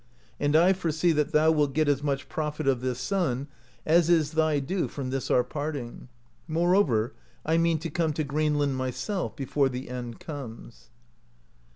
And I foresee that thou wilt get as much profit of this son as is thy due from this our parting; moreover, I mean to come to Greenland myself before the end comes."